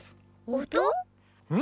うん！